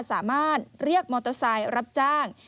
สามารถเรียกมอเตอร์ไซค์รับจ้าง